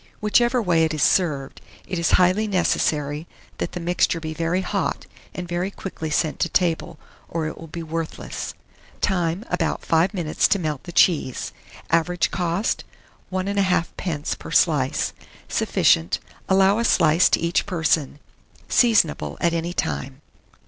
Whichever way it is served, it is highly necessary that the mixture be very hot, and very quickly sent to table, or it will be worthless. Time. About 5 minutes to melt the cheese. Average cost, 1 1/2d. per slice. Sufficient. Allow a slice to each person. Seasonable at any time.